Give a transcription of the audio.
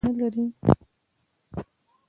آیا دا شرکتونه ډیر کارګران نلري؟